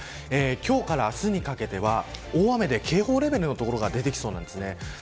今日から明日にかけては大雨で警報レベルの所が出てきそうです。